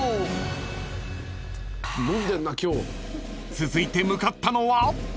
［続いて向かったのは］